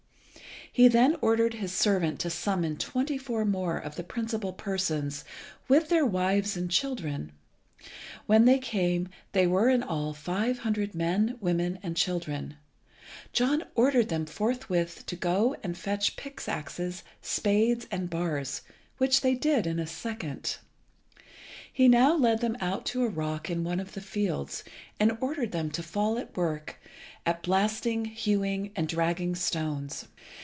He then ordered his servant to summon twenty four more of the principal persons, with their wives and children. When they came they were in all five hundred men, women, and children. John ordered them forthwith to go and fetch pick axes, spades, and bars, which they did in a second. He now led them out to a rock in one of the fields, and ordered them to fall to work at blasting, hewing, and dragging stones.